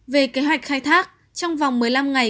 về kế hoạch khai thác trong vòng một mươi năm ngày